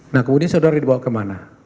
nah kemudian saudara dibawa kemana